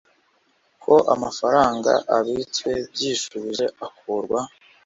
Ko amafaranga abitswe byishubije akurwa